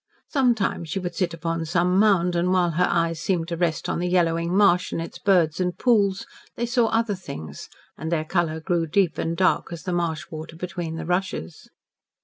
Sometimes she would sit upon some mound, and, while her eyes seemed to rest on the yellowing marsh and its birds and pools, they saw other things, and their colour grew deep and dark as the marsh water between the rushes.